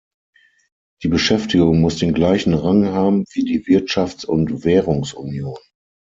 Die Beschäftigung muss den gleichen Rang haben wie die Wirtschafts- und Währungsunion.